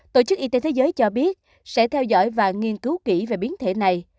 tổ chức y tế thế giới cho biết sẽ theo dõi và nghiên cứu kỹ về biến thể này